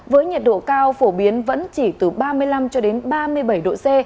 với nhiệt độ cao phổ biến vẫn chỉ từ ba mươi năm cho đến ba mươi bảy độ c